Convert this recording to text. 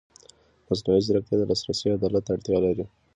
مصنوعي ځیرکتیا د لاسرسي عدالت ته اړتیا لري.